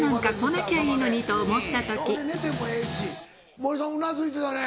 森さんうなずいてたね。